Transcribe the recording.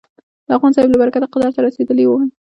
د اخوندصاحب له برکته قدرت ته رسېدلي ول.